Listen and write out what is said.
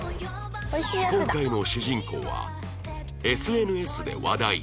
今回の主人公は「ＳＮＳ で話題」